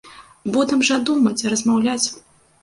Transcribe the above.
Будам жа думаць, размаўляць.